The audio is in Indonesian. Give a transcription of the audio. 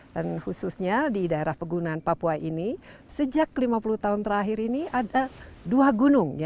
khususnya di daerah pegunaan papua ini sejak lima puluh tahun terakhir ini ada dua gunung